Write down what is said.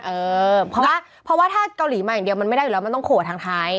เออเพราะว่าถ้าเกาหลีมาอย่างเดียวมันไม่ได้อยู่แล้วมันต้องโขดทางไทย